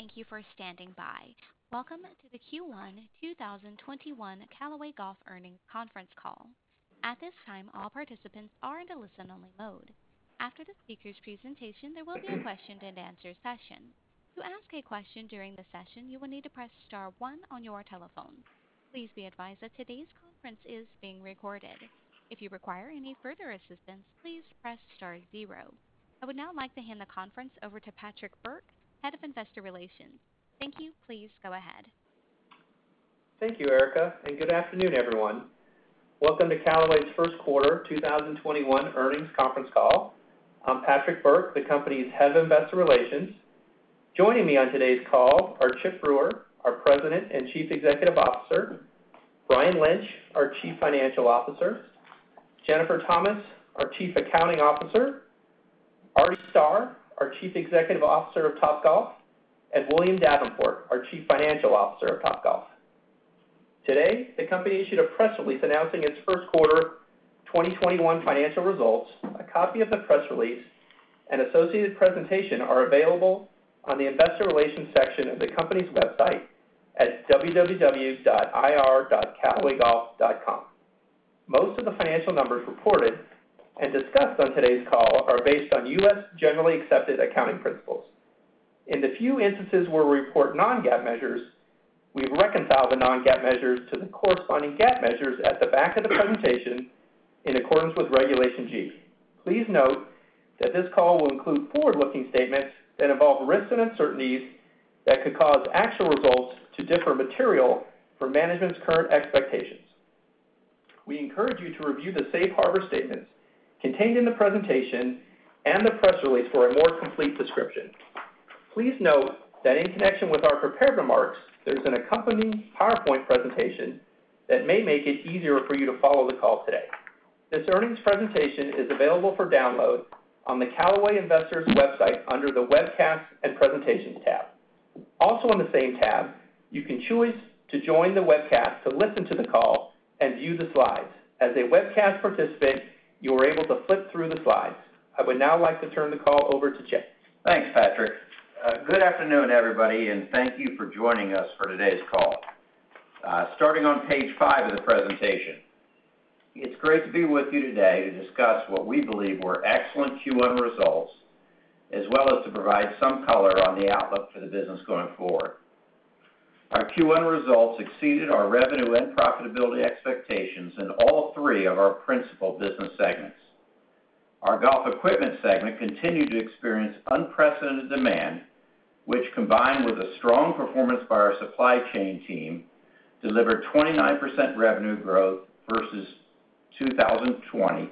Thank you for standing by. Welcome to the Q1 2021 Callaway Golf Earnings Conference Call. At this time, all participants are in a listen-only mode. After the speakers' presentation, there will be a question and answer session. To ask a question during the session, you will need to press star one on your telephone. Please be advised that today's conference is being recorded. If you require any further assistance, please press star zero. I would now like to hand the conference over to Patrick Burke, Head of Investor Relations. Thank you. Please go ahead. Thank you, Erica, and good afternoon, everyone. Welcome to Callaway's first quarter 2021 earnings conference call. I'm Patrick Burke, the company's Head of Investor Relations. Joining me on today's call are Chip Brewer, our President and Chief Executive Officer, Brian Lynch, our Chief Financial Officer, Jennifer Thomas, our Chief Accounting Officer, Artie Starrs, our Chief Executive Officer of Topgolf, and William Davenport, our Chief Financial Officer of Topgolf. Today, the company issued a press release announcing its first quarter 2021 financial results. A copy of the press release and associated presentation are available on the investor relations section of the company's website at www.ir.callawaygolf.com. Most of the financial numbers reported and discussed on today's call are based on U.S. Generally Accepted Accounting Principles. In the few instances where we report non-GAAP measures, we reconcile the non-GAAP measures to the corresponding GAAP measures at the back of the presentation in accordance with Regulation G. Please note that this call will include forward-looking statements that involve risks and uncertainties that could cause actual results to differ material from management's current expectations. We encourage you to review the safe harbor statements contained in the presentation and the press release for a more complete description. Please note that in connection with our prepared remarks, there is an accompanying PowerPoint presentation that may make it easier for you to follow the call today. This earnings presentation is available for download on the Callaway Investors website under the Webcasts and Presentations tab. Also on the same tab, you can choose to join the webcast to listen to the call and view the slides. As a webcast participant, you are able to flip through the slides. I would now like to turn the call over to Chip. Thanks, Patrick. Good afternoon, everybody, and thank you for joining us for today's call. Starting on page five of the presentation. It's great to be with you today to discuss what we believe were excellent Q1 results, as well as to provide some color on the outlook for the business going forward. Our Q1 results exceeded our revenue and profitability expectations in all three of our principal business segments. Our golf equipment segment continued to experience unprecedented demand, which, combined with a strong performance by our supply chain team, delivered 29% revenue growth versus 2020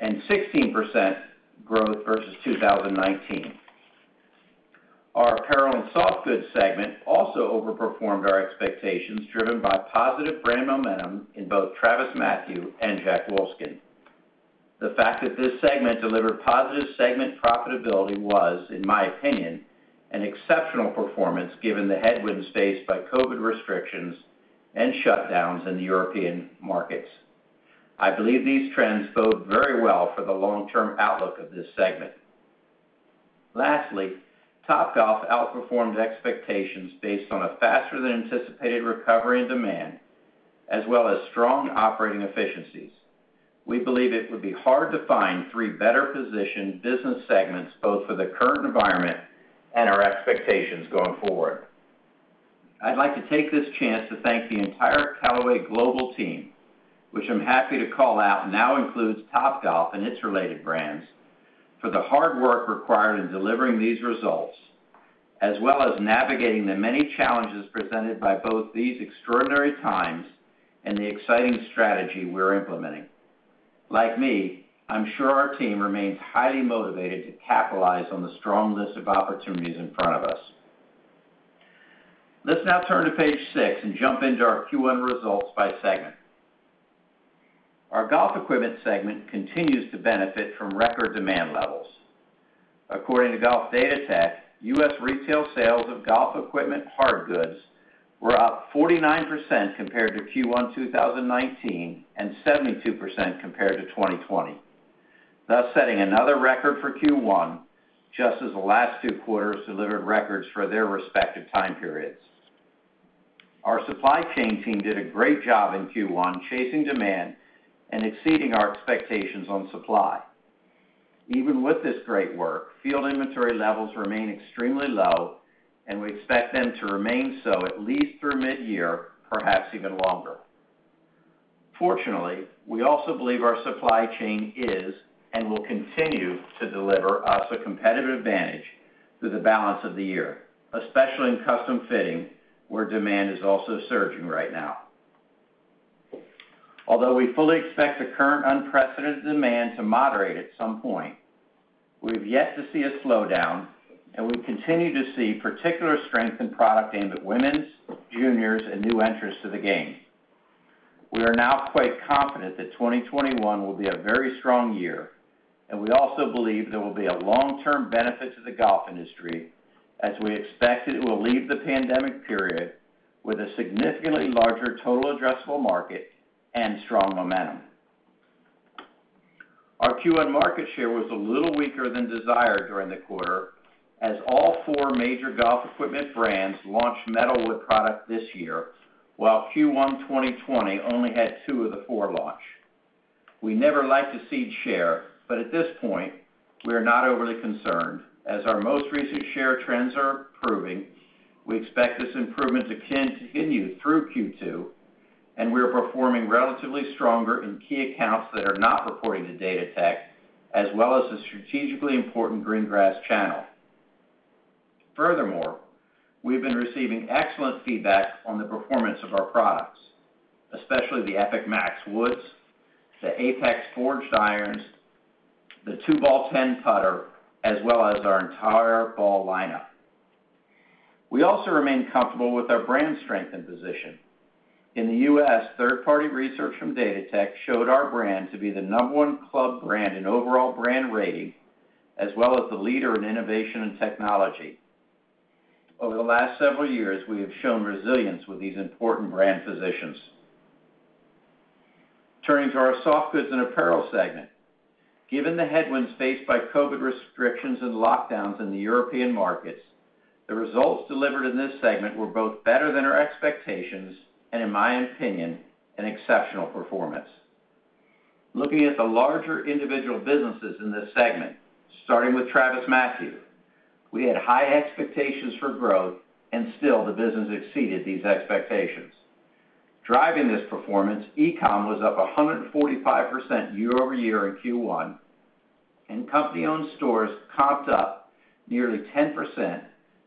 and 16% growth versus 2019. Our apparel and softgoods segment also overperformed our expectations, driven by positive brand momentum in both TravisMathew and Jack Wolfskin. The fact that this segment delivered positive segment profitability was, in my opinion, an exceptional performance given the headwinds faced by COVID-19 restrictions and shutdowns in the European markets. I believe these trends bode very well for the long-term outlook of this segment. Lastly, Topgolf outperformed expectations based on a faster-than-anticipated recovery and demand, as well as strong operating efficiencies. We believe it would be hard to find three better-positioned business segments, both for the current environment and our expectations going forward. I'd like to take this chance to thank the entire Callaway global team, which I'm happy to call out now includes Topgolf and its related brands, for the hard work required in delivering these results, as well as navigating the many challenges presented by both these extraordinary times and the exciting strategy we're implementing. Like me, I'm sure our team remains highly motivated to capitalize on the strong list of opportunities in front of us. Let's now turn to page six and jump into our Q1 results by segment. Our golf equipment segment continues to benefit from record demand levels. According to Golf Datatech, U.S. retail sales of golf equipment hardgoods were up 49% compared to Q1 2019 and 72% compared to 2020, thus setting another record for Q1, just as the last two quarters delivered records for their respective time periods. Our supply chain team did a great job in Q1, chasing demand and exceeding our expectations on supply. Even with this great work, field inventory levels remain extremely low, and we expect them to remain so at least through mid-year, perhaps even longer. Fortunately, we also believe our supply chain is and will continue to deliver us a competitive advantage through the balance of the year, especially in custom fitting, where demand is also surging right now. Although we fully expect the current unprecedented demand to moderate at some point, we've yet to see a slowdown, and we continue to see particular strength in product aimed at women's, juniors, and new entrants to the game. We are now quite confident that 2021 will be a very strong year, and we also believe there will be a long-term benefit to the golf industry as we expect it will leave the pandemic period with a significantly larger total addressable market and strong momentum. Our Q1 market share was a little weaker than desired during the quarter, as all four major golf equipment brands launched metalwood product this year, while Q1 2020 only had two of the four launch. We never like to cede share, but at this point we are not overly concerned, as our most recent share trends are improving. We expect this improvement to continue through Q2, and we are performing relatively stronger in key accounts that are not reporting to Golf Datatech, as well as the strategically important green grass channel. Furthermore, we've been receiving excellent feedback on the performance of our products, especially the Epic MAX woods, the Apex forged irons, the 2-Ball Ten putter, as well as our entire ball lineup. We also remain comfortable with our brand strength and position. In the U.S., third-party research from Golf Datatech showed our brand to be the number one club brand in overall brand rating, as well as the leader in innovation and technology. Over the last several years, we have shown resilience with these important brand positions. Turning to our soft goods and apparel segment. Given the headwinds faced by COVID-19 restrictions and lockdowns in the European markets, the results delivered in this segment were both better than our expectations, and in my opinion, an exceptional performance. Looking at the larger individual businesses in this segment, starting with TravisMathew. We had high expectations for growth, and still the business exceeded these expectations. Driving this performance, e-com was up 145% year-over-year in Q1, and company-owned stores comped up nearly 10%,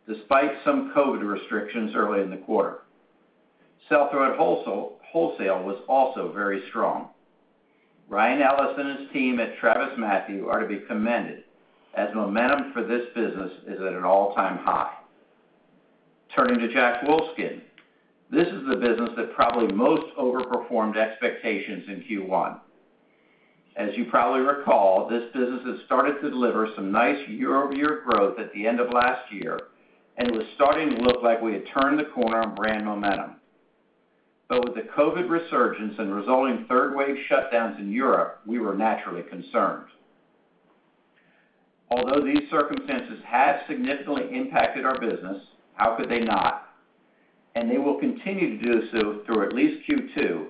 despite some COVID-19 restrictions early in the quarter. Sell-through at wholesale was also very strong. Ryan Ellis and his team at TravisMathew are to be commended, as momentum for this business is at an all-time high. Turning to Jack Wolfskin. This is the business that probably most overperformed expectations in Q1. As you probably recall, this business has started to deliver some nice year-over-year growth at the end of last year, it was starting to look like we had turned the corner on brand momentum. With the COVID-19 resurgence and resulting third-wave shutdowns in Europe, we were naturally concerned. Although these circumstances have significantly impacted our business, how could they not? They will continue to do so through at least Q2.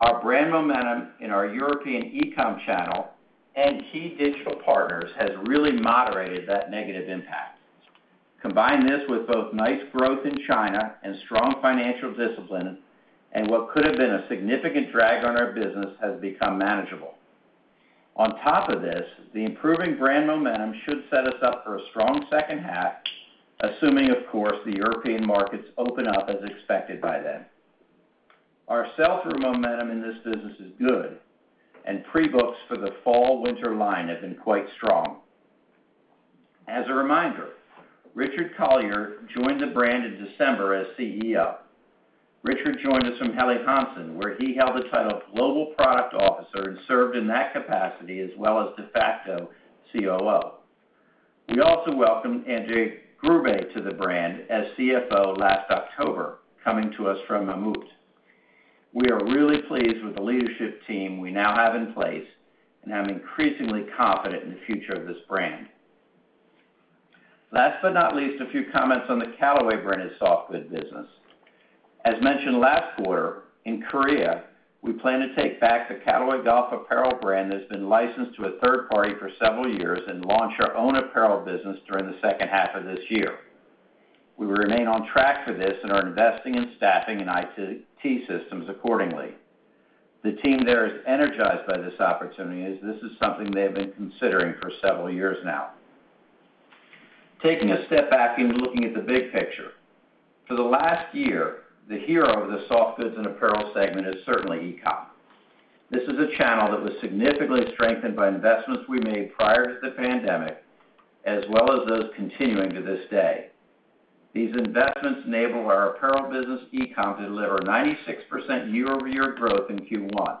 Our brand momentum in our European e-com channel and key digital partners has really moderated that negative impact. Combine this with both nice growth in China and strong financial discipline, what could have been a significant drag on our business has become manageable. On top of this, the improving brand momentum should set us up for a strong second half, assuming, of course, the European markets open up as expected by then. Our sell-through momentum in this business is good. Pre-books for the fall/winter line have been quite strong. As a reminder, Richard Collier joined the brand in December as CEO. Richard joined us from Helly Hansen, where he held the title of Global Product Officer and served in that capacity as well as de facto COO. We also welcomed André Grube to the brand as CFO last October, coming to us from Mammut. We are really pleased with the leadership team we now have in place and am increasingly confident in the future of this brand. Last but not least, a few comments on the Callaway branded soft goods business. As mentioned last quarter, in Korea, we plan to take back the Callaway Golf apparel brand that's been licensed to a third party for several years and launch our own apparel business during the second half of this year. We remain on track for this and are investing in staffing and IT systems accordingly. The team there is energized by this opportunity, as this is something they have been considering for several years now. Taking a step back and looking at the big picture. For the last year, the hero of the soft goods and apparel segment is certainly e-com. This is a channel that was significantly strengthened by investments we made prior to the pandemic, as well as those continuing to this day. These investments enable our apparel business e-com to deliver 96% year-over-year growth in Q1.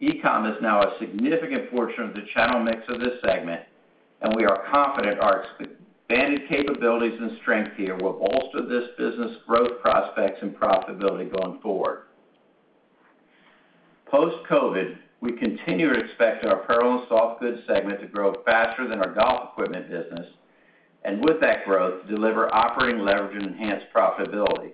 e-com is now a significant portion of the channel mix of this segment, and we are confident our expanded capabilities and strength here will bolster this business' growth prospects and profitability going forward. Post-COVID, we continue to expect our apparel and soft goods segment to grow faster than our golf equipment business, and with that growth, deliver operating leverage and enhanced profitability.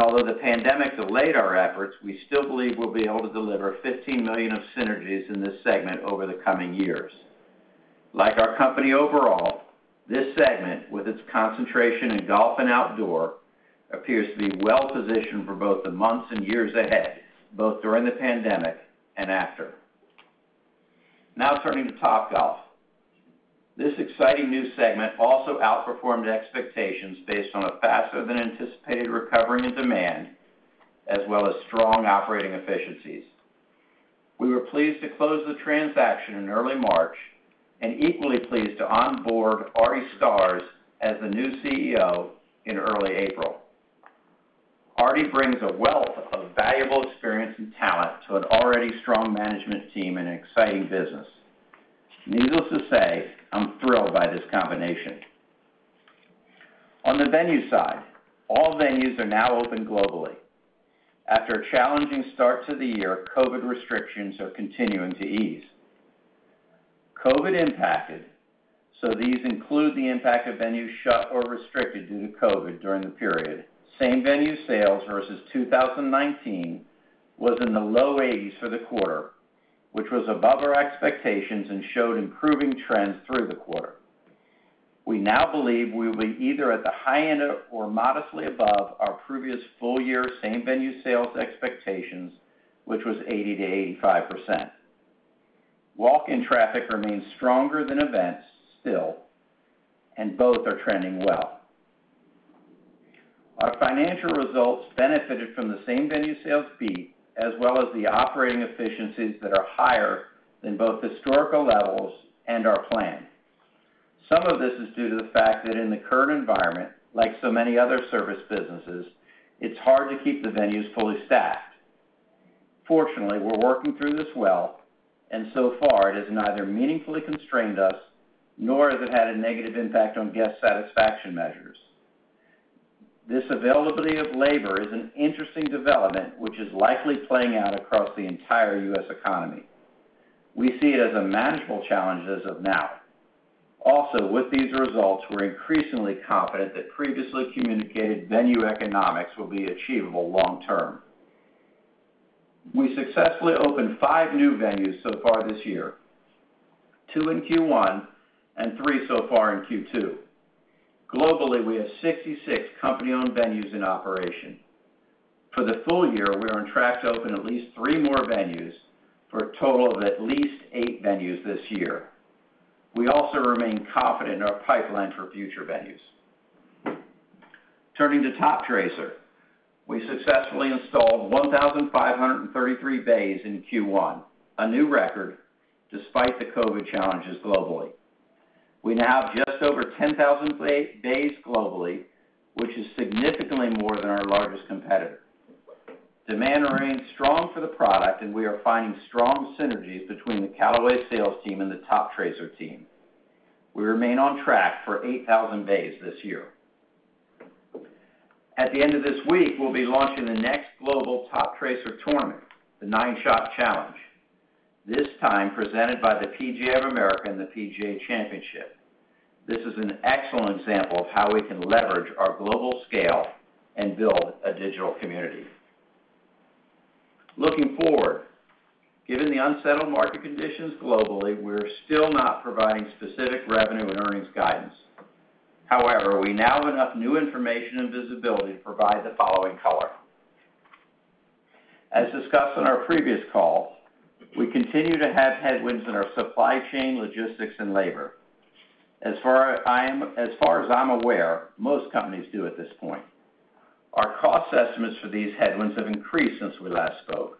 Although the pandemic delayed our efforts, we still believe we'll be able to deliver $15 million of synergies in this segment over the coming years. Like our company overall, this segment, with its concentration in golf and outdoor, appears to be well-positioned for both the months and years ahead, both during the pandemic and after. Turning to Topgolf. This exciting new segment also outperformed expectations based on a faster-than-anticipated recovery and demand, as well as strong operating efficiencies. We were pleased to close the transaction in early March and equally pleased to onboard Artie Starrs as the new CEO in early April. Artie brings a wealth of valuable experience and talent to an already strong management team and an exciting business. Needless to say, I'm thrilled by this combination. On the venue side, all venues are now open globally. After a challenging start to the year, COVID restrictions are continuing to ease. COVID impacted. These include the impact of venues shut or restricted due to COVID during the period. Same venue sales versus 2019 was in the low 80s for the quarter, which was above our expectations and showed improving trends through the quarter. We now believe we will be either at the high end or modestly above our previous full-year same venue sales expectations, which was 80%-85%. Walk-in traffic remains stronger than events still, and both are trending well. Our financial results benefited from the same-venue sales fee as well as the operating efficiencies that are higher than both historical levels and our plan. Some of this is due to the fact that in the current environment, like so many other service businesses, it's hard to keep the venues fully staffed. Fortunately, we're working through this well, and so far it has neither meaningfully constrained us, nor has it had a negative impact on guest satisfaction measures. This availability of labor is an interesting development, which is likely playing out across the entire U.S. economy. We see it as a manageable challenge as of now. With these results, we're increasingly confident that previously communicated venue economics will be achievable long term. We successfully opened five new venues so far this year, two in Q1 and three so far in Q2. Globally, we have 66 company-owned venues in operation. For the full year, we are on track to open at least three more venues for a total of at least eight venues this year. We also remain confident in our pipeline for future venues. Turning to Toptracer, we successfully installed 1,533 bays in Q1, a new record despite the COVID challenges globally. We now have just over 10,000 bays globally, which is significantly more than our largest competitor. Demand remains strong for the product, and we are finding strong synergies between the Callaway sales team and the Toptracer team. We remain on track for 8,000 bays this year. At the end of this week, we'll be launching the next global Toptracer tournament, the 9 Shot Challenge, this time presented by the PGA of America and the PGA Championship. This is an excellent example of how we can leverage our global scale and build a digital community. Looking forward, given the unsettled market conditions globally, we're still not providing specific revenue and earnings guidance. We now have enough new information and visibility to provide the following color. As discussed on our previous call, we continue to have headwinds in our supply chain, logistics, and labor. As far as I'm aware, most companies do at this point. Our cost estimates for these headwinds have increased since we last spoke.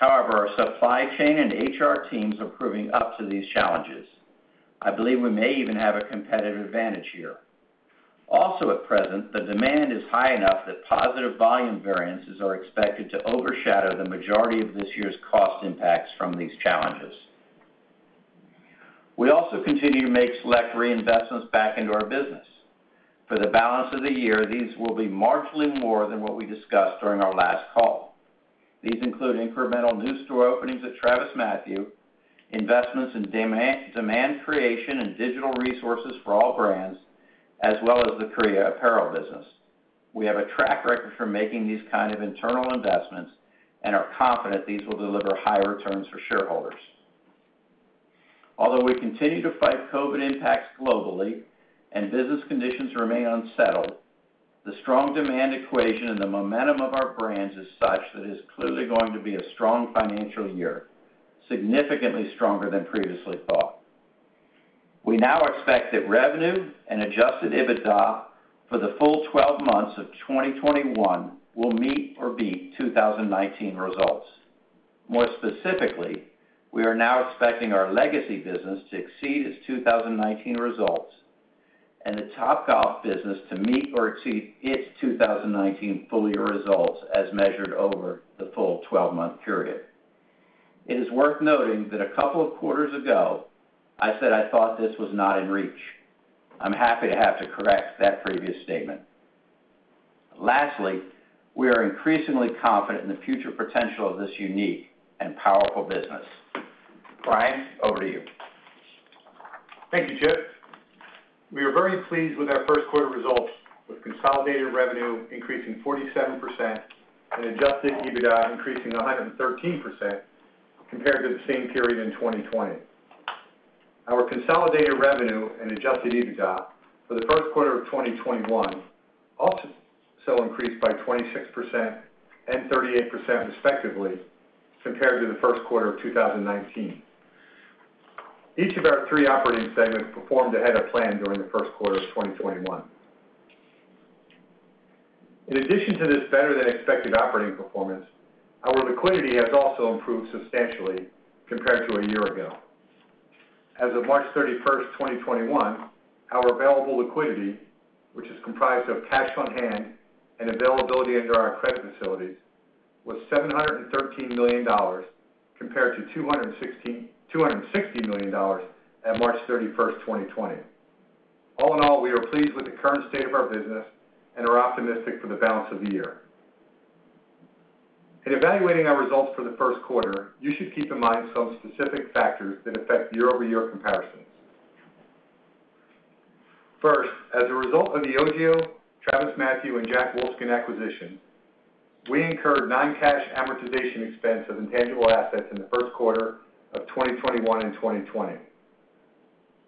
Our supply chain and HR teams are proving up to these challenges. I believe we may even have a competitive advantage here. At present, the demand is high enough that positive volume variances are expected to overshadow the majority of this year's cost impacts from these challenges. We also continue to make select reinvestments back into our business. For the balance of the year, these will be marginally more than what we discussed during our last call. These include incremental new store openings at TravisMathew, investments in demand creation and digital resources for all brands, as well as the Korea apparel business. We have a track record for making these kind of internal investments and are confident these will deliver high returns for shareholders. Although we continue to fight COVID impacts globally and business conditions remain unsettled, the strong demand equation and the momentum of our brands is such that it is clearly going to be a strong financial year, significantly stronger than previously thought. We now expect that revenue and adjusted EBITDA for the full 12 months of 2021 will meet or beat 2019 results. More specifically, we are now expecting our legacy business to exceed its 2019 results and the Topgolf business to meet or exceed its 2019 full-year results as measured over the full 12-month period. It is worth noting that a couple of quarters ago, I said I thought this was not in reach. I'm happy to have to correct that previous statement. Lastly, we are increasingly confident in the future potential of this unique and powerful business. Brian, over to you. Thank you, Chip. We are very pleased with our first quarter results, with consolidated revenue increasing 47% and adjusted EBITDA increasing 113% compared to the same period in 2020. Our consolidated revenue and adjusted EBITDA for the first quarter of 2021 also increased by 26% and 38% respectively, compared to the first quarter of 2019. Each of our three operating segments performed ahead of plan during the first quarter of 2021. In addition to this better-than-expected operating performance, our liquidity has also improved substantially compared to a year ago. As of March 31st, 2021, our available liquidity, which is comprised of cash on hand and availability under our credit facilities was $713 million compared to $260 million at March 31st, 2020. All in all, we are pleased with the current state of our business and are optimistic for the balance of the year. In evaluating our results for the first quarter, you should keep in mind some specific factors that affect year-over-year comparisons. First, as a result of the OGIO, TravisMathew, and Jack Wolfskin acquisition, we incurred non-cash amortization expense of intangible assets in the first quarter of 2021 and 2020.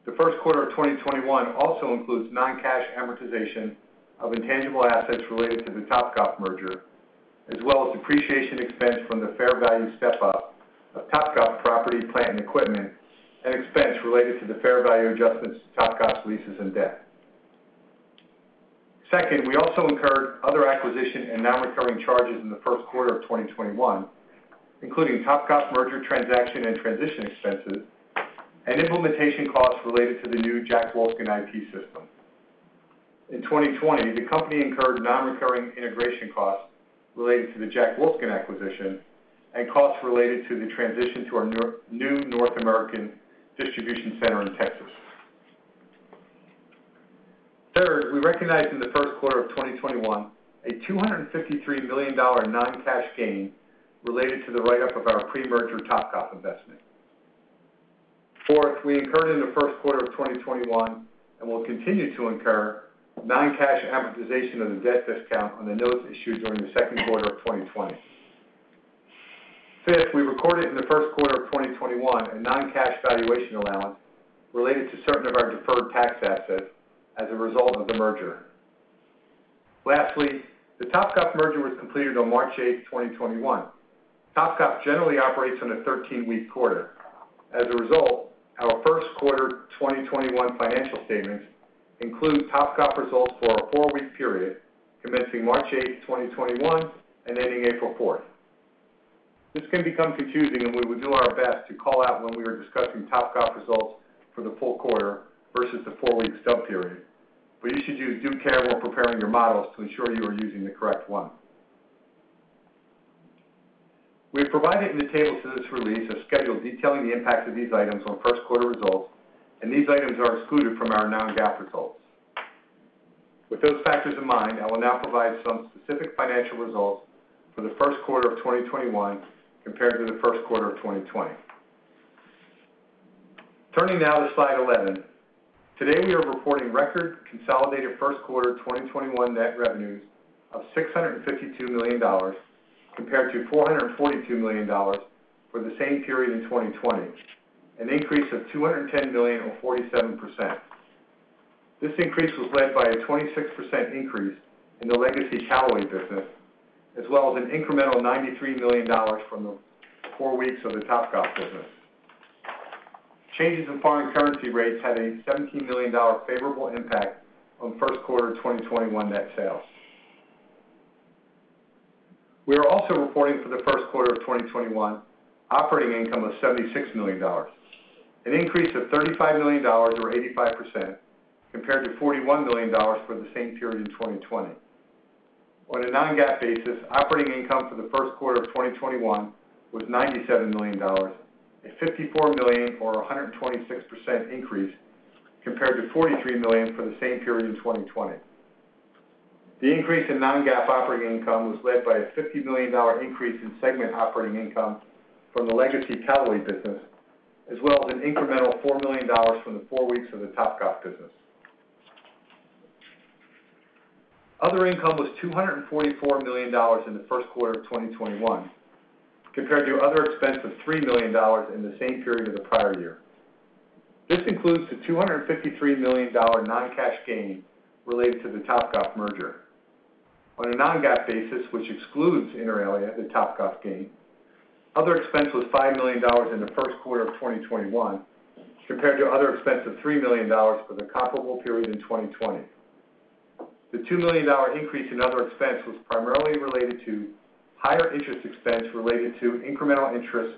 The first quarter of 2021 also includes non-cash amortization of intangible assets related to the Topgolf merger, as well as depreciation expense from the fair value step-up of Topgolf property, plant, and equipment and expense related to the fair value adjustments to Topgolf's leases and debt. Second, we also incurred other acquisition and non-recurring charges in the first quarter of 2021, including Topgolf merger transaction and transition expenses and implementation costs related to the new Jack Wolfskin ERP system. In 2020, the company incurred non-recurring integration costs related to the Jack Wolfskin acquisition and costs related to the transition to our new North American distribution center in Texas. Third, we recognized in the first quarter of 2021 a $253 million non-cash gain related to the write-up of our pre-merger Topgolf investment. Fourth, we incurred in the first quarter of 2021, and will continue to incur, non-cash amortization of the debt discount on the notes issued during the second quarter of 2020. Fifth, we recorded in the first quarter of 2021 a non-cash valuation allowance related to certain of our deferred tax assets as a result of the merger. Lastly, the Topgolf merger was completed on March 8th, 2021. Topgolf generally operates on a 13-week quarter. As a result, our first quarter 2021 financial statements include Topgolf results for a four-week period commencing March 8th, 2021, and ending April 4th. This can become confusing, and we will do our best to call out when we are discussing Topgolf results for the full quarter versus the four-week stub period. You should use due care when preparing your models to ensure you are using the correct one. We have provided in the tables to this release a schedule detailing the impact of these items on first quarter results, and these items are excluded from our non-GAAP results. With those factors in mind, I will now provide some specific financial results for the first quarter of 2021 compared to the first quarter of 2020. Turning now to slide 11. Today, we are reporting record consolidated first quarter 2021 net revenues of $652 million compared to $442 million for the same period in 2020, an increase of $210 million or 47%. This increase was led by a 26% increase in the legacy Callaway business, as well as an incremental $93 million from the four weeks of the Topgolf business. Changes in foreign currency rates had a $17 million favorable impact on first quarter 2021 net sales. We are also reporting for the first quarter of 2021 operating income of $76 million, an increase of $35 million or 85% compared to $41 million for the same period in 2020. On a non-GAAP basis, operating income for the first quarter of 2021 was $97 million, a $54 million or 126% increase compared to $43 million for the same period in 2020. The increase in non-GAAP operating income was led by a $50 million increase in segment operating income from the legacy Callaway business, as well as an incremental $4 million from the four weeks of the Topgolf business. Other income was $244 million in the first quarter of 2021 compared to other expense of $3 million in the same period of the prior year. This includes the $253 million non-cash gain related to the Topgolf merger. On a non-GAAP basis, which excludes inter alia, the Topgolf gain, other expense was $5 million in the first quarter of 2021 compared to other expense of $3 million for the comparable period in 2020. The $2 million increase in other expense was primarily related to higher interest expense related to incremental interest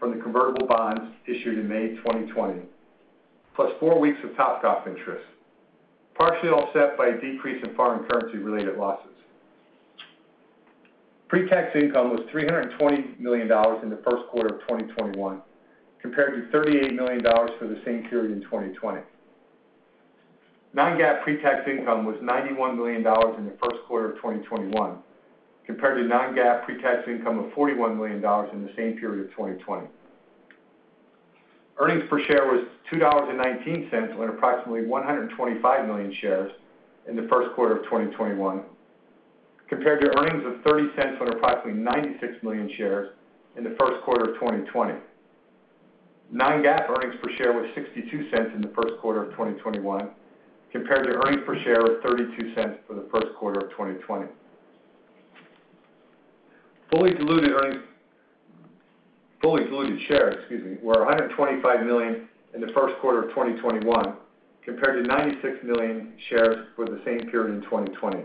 from the convertible bonds issued in May 2020, plus four weeks of Topgolf interest, partially offset by a decrease in foreign currency-related losses. Pre-tax income was $320 million in the first quarter of 2021 compared to $38 million for the same period in 2020. Non-GAAP pre-tax income was $91 million in the first quarter of 2021 compared to non-GAAP pre-tax income of $41 million in the same period of 2020. Earnings per share was $2.19 on approximately 125 million shares in the first quarter of 2021 compared to earnings of $0.30 on approximately 96 million shares in the first quarter of 2020. Non-GAAP earnings per share was $0.62 in the first quarter of 2021 compared to earnings per share of $0.32 for the first quarter of 2020. Fully diluted shares, excuse me, were 125 million in the first quarter of 2021 compared to 96 million shares for the same period in 2020.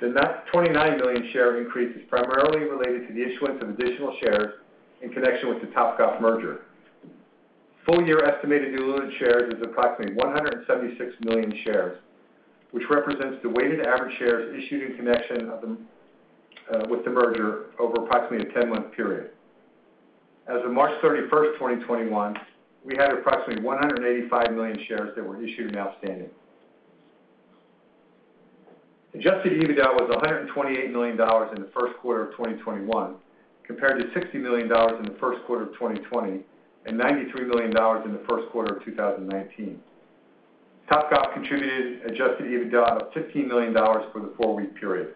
The net 29 million share increase is primarily related to the issuance of additional shares in connection with the Topgolf merger. Full year estimated diluted shares is approximately 176 million shares, which represents the weighted average shares issued in connection with the merger over approximately a 10-month period. As of March 31st, 2021, we had approximately 185 million shares that were issued and outstanding. Adjusted EBITDA was $128 million in the first quarter of 2021 compared to $60 million in the first quarter of 2020 and $93 million in the first quarter of 2019. Topgolf contributed adjusted EBITDA of $15 million for the four-week period.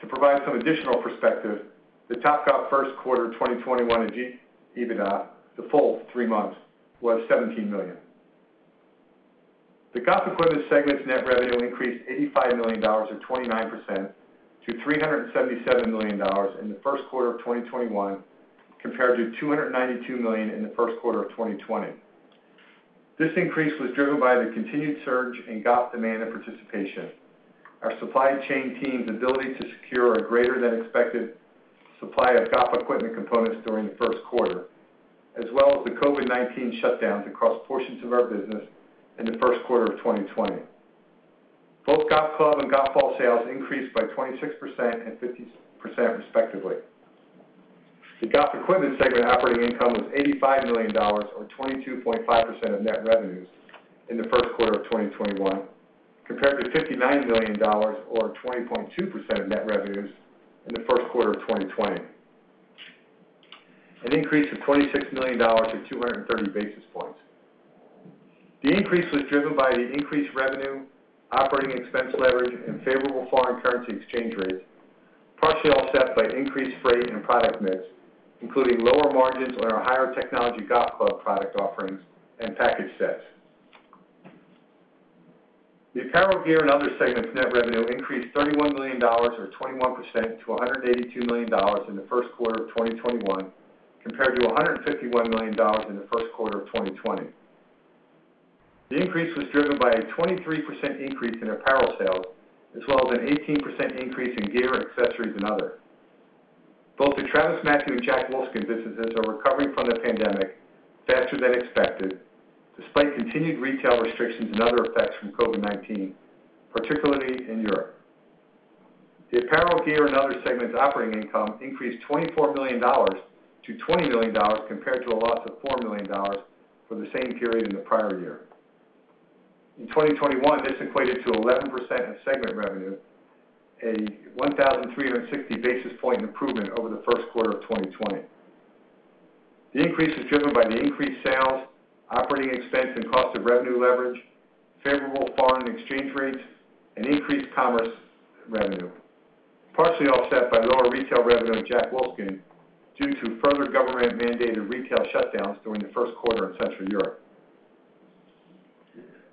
To provide some additional perspective, the Topgolf first quarter 2021 EBITDA, the full three months, was $17 million. The Golf Equipment segment's net revenue increased $85 million or 29% to $377 million in the first quarter of 2021 compared to $292 million in the first quarter of 2020. This increase was driven by the continued surge in golf demand and participation, our supply chain team's ability to secure a greater than expected supply of golf equipment components during the first quarter, as well as the COVID-19 shutdowns across portions of our business in the first quarter of 2020. Both golf club and golf ball sales increased by 26% and 50% respectively. The Golf Equipment segment operating income was $85 million or 22.5% of net revenues in the first quarter of 2021 compared to $59 million or 20.2% of net revenues in the first quarter of 2020, an increase of $26 million or 230 basis points. The increase was driven by the increased revenue, operating expense leverage, and favorable foreign currency exchange rates, partially offset by increased freight and product mix, including lower margins on our higher technology golf club product offerings and package sets. The Apparel, Gear, and Other Segment's net revenue increased $31 million or 21% to $182 million in the first quarter of 2021 compared to $151 million in the first quarter of 2020. The increase was driven by a 23% increase in apparel sales, as well as an 18% increase in gear, accessories, and other. Both the TravisMathew and Jack Wolfskin businesses are recovering from the pandemic faster than expected, despite continued retail restrictions and other effects from COVID-19, particularly in Europe. The Apparel, Gear, and Other Segment's operating income increased $24 million to $20 million compared to a loss of $4 million for the same period in the prior year. In 2021, this equated to 11% of segment revenue, a 1,360 basis point improvement over the first quarter of 2020. The increase is driven by the increased sales, operating expense and cost of revenue leverage, favorable foreign exchange rates, and increased e-commerce revenue, partially offset by lower retail revenue at Jack Wolfskin due to further government-mandated retail shutdowns during the first quarter in Central Europe.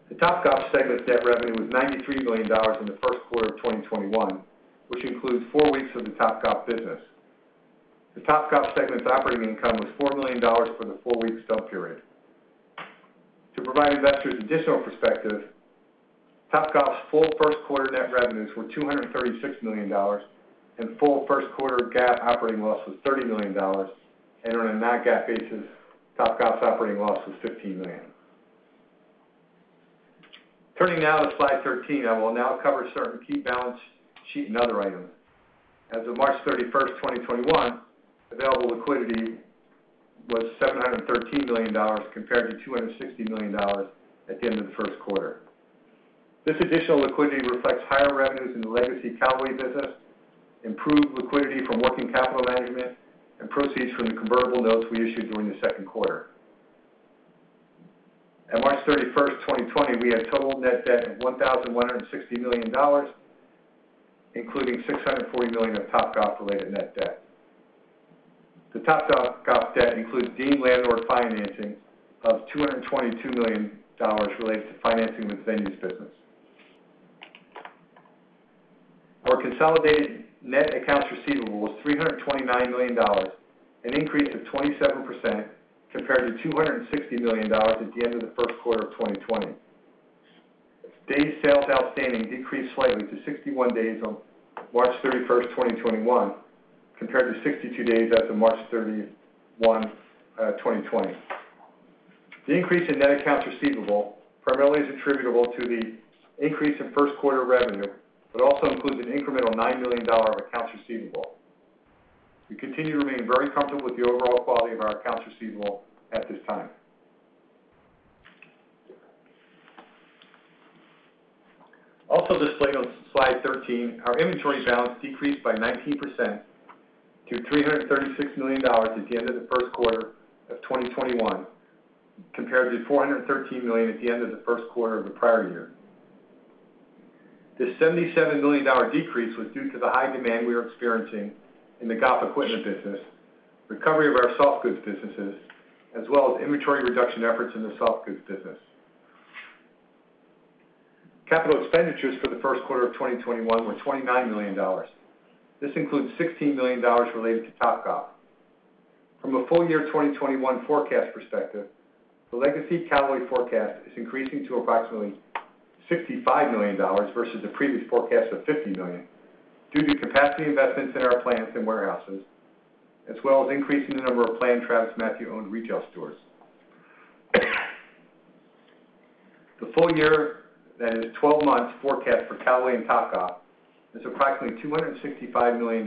The Topgolf segment's net revenue was $93 million in the first quarter of 2021, which includes four weeks of the Topgolf business. The Topgolf segment's operating income was $4 million for the four-week stub period. To provide investors additional perspective, Topgolf's full first quarter net revenues were $236 million, and full first quarter GAAP operating loss was $30 million, and on a non-GAAP basis, Topgolf's operating loss was $15 million. Turning now to slide 13, I will now cover certain key balance sheet and other items. As of March 31, 2021, available liquidity was $713 million compared to $260 million at the end of the first quarter. This additional liquidity reflects higher revenues in the legacy Callaway business, improved liquidity from working capital management, and proceeds from the convertible notes we issued during the second quarter. At March 31, 2020, we had total net debt of $1,160 million, including $640 million of Topgolf-related net debt. The Topgolf debt includes deemed landlord financing of $222 million related to financing the Venues business. Our consolidated net accounts receivable was $329 million, an increase of 27% compared to $260 million at the end of the first quarter of 2020. Days sales outstanding decreased slightly to 61 days on March 31, 2021 compared to 62 days as of March 31, 2020. The increase in net accounts receivable primarily is attributable to the increase in first quarter revenue. Also includes an incremental $9 million of accounts receivable. We continue to remain very comfortable with the overall quality of our accounts receivable at this time. Also displayed on slide 13, our inventory balance decreased by 19% to $336 million at the end of the first quarter of 2021 compared to $413 million at the end of the first quarter of the prior year. This $77 million decrease was due to the high demand we are experiencing in the Golf Equipment business, recovery of our softgoods businesses, as well as inventory reduction efforts in the softgoods business. Capital expenditures for the first quarter of 2021 were $29 million. This includes $16 million related to Topgolf. From a full year 2021 forecast perspective, the legacy Callaway forecast is increasing to approximately $65 million versus the previous forecast of $50 million due to capacity investments in our plants and warehouses, as well as increasing the number of planned TravisMathew-owned retail stores. The full year, that is 12 months, forecast for Callaway and Topgolf is approximately $265 million,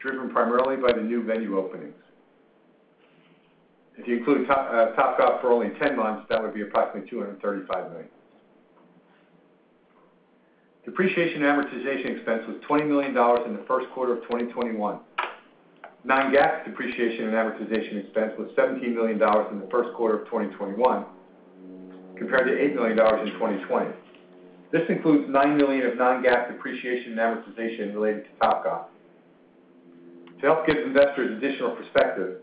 driven primarily by the new venue openings. If you include Topgolf for only 10 months, that would be approximately $235 million. Depreciation and amortization expense was $20 million in the first quarter of 2021. Non-GAAP depreciation and amortization expense was $17 million in the first quarter of 2021, compared to $8 million in 2020. This includes $9 million of non-GAAP depreciation and amortization related to Topgolf. To help give investors additional perspective,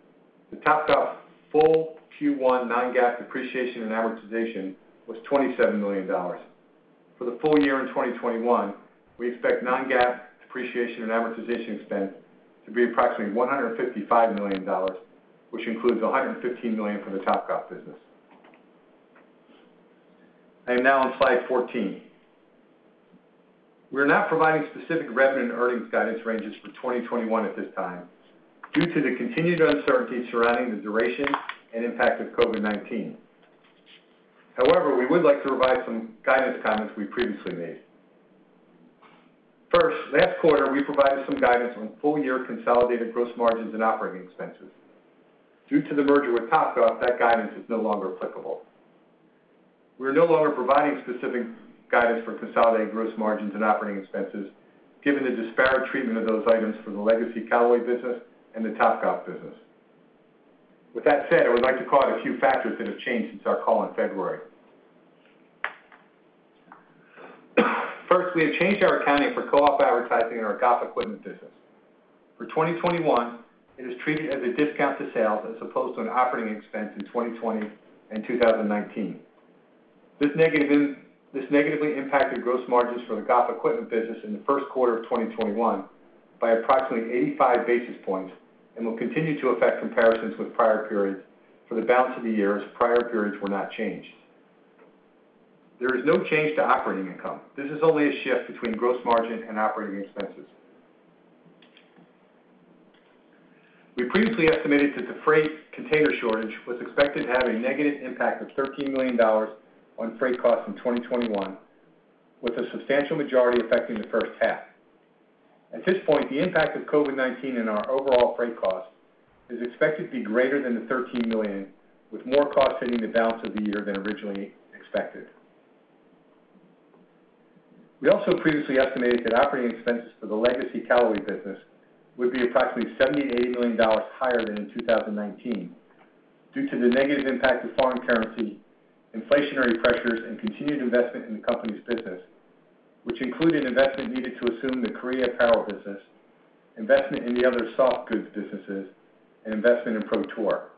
the Topgolf full Q1 non-GAAP depreciation and amortization was $27 million. For the full year in 2021, we expect non-GAAP depreciation and amortization expense to be approximately $155 million, which includes $115 million from the Topgolf business. I am now on slide 14. We're not providing specific revenue and earnings guidance ranges for 2021 at this time due to the continued uncertainty surrounding the duration and impact of COVID-19. However, we would like to provide some guidance comments we previously made. First, last quarter, we provided some guidance on full year consolidated gross margins and operating expenses. Due to the merger with Topgolf, that guidance is no longer applicable. We're no longer providing specific guidance for consolidated gross margins and operating expenses, given the disparate treatment of those items from the legacy Callaway business and the Topgolf business. With that said, I would like to call out a few factors that have changed since our call in February. First, we have changed our accounting for co-op advertising in our golf equipment business. For 2021, it is treated as a discount to sales as opposed to an operating expense in 2020 and 2019. This negatively impacted gross margins for the golf equipment business in the first quarter of 2021 by approximately 85 basis points and will continue to affect comparisons with prior periods for the balance of the year as prior periods were not changed. There is no change to operating income. This is only a shift between gross margin and operating expenses. We previously estimated that the freight container shortage was expected to have a negative impact of $13 million on freight costs in 2021, with a substantial majority affecting the first half. At this point, the impact of COVID-19 on our overall freight costs is expected to be greater than the $13 million, with more costs hitting the balance of the year than originally expected. We also previously estimated that operating expenses for the legacy Callaway business would be approximately $78 million higher than in 2019 due to the negative impact of foreign currency, inflationary pressures, and continued investment in the company's business, which included investment needed to assume the Korea apparel business, investment in the other softgoods businesses, and investment in PGA Tour.